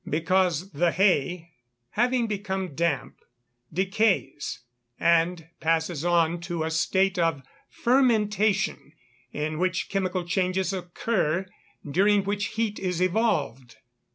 _ Because the hay, having become damp, decays, and passes on to a state of fermentation, in which chemical changes occur, during which heat is evolved.